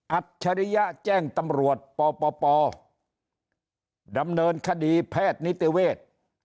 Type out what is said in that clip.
ฉริยะแจ้งตำรวจปปดำเนินคดีแพทย์นิติเวทย์